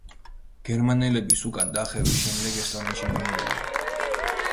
გერმანელების უკან დახევის შემდეგ ესტონეთში ბრუნდება.